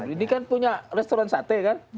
ini kan punya restoran sate kan